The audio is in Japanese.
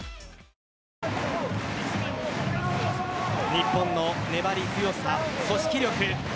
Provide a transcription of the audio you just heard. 日本の粘り強さ、組織力